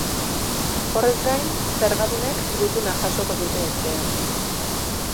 Horrez gain, zergadunek gutuna jasoko dute etxean.